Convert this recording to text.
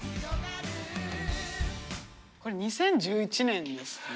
これ２０１１年ですね。